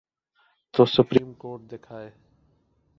تو supreme court دکھائے۔